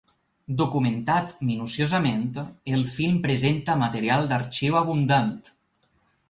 Documentat minuciosament, el film presenta material d’arxiu abundant.